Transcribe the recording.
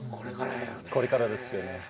これからやよね。